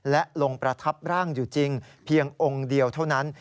และลงประทับร่างอยู่จริงเพียงองค์เดียวเท่านั้น